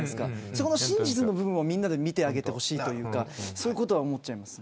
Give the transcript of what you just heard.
その真実の部分を、みんなで見てあげてほしいというかそういうことは思っちゃいます。